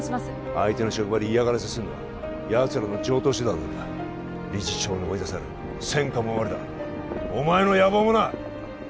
相手の職場に嫌がらせするのは奴らの常套手段なんだ理事長に追い出される専科も終わりだお前の野望もな！